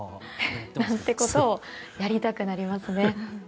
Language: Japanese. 何てことをやりたくなりますね。